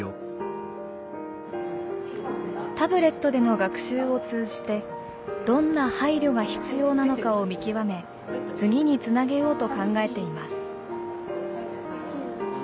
タブレットでの学習を通じてどんな配慮が必要なのかを見極め次につなげようと考えています。